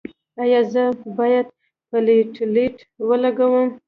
ایا زه باید پلیټلیټ ولګوم؟